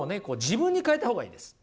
自分にかえた方がいいです。